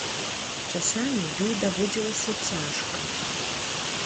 Часамі ёй даводзілася цяжка.